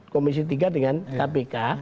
komisi tiga dengan kpk